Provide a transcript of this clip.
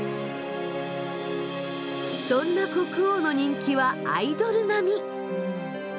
そんな国王の人気はアイドル並み。